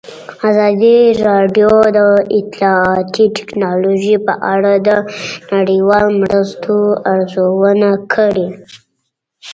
ازادي راډیو د اطلاعاتی تکنالوژي په اړه د نړیوالو مرستو ارزونه کړې.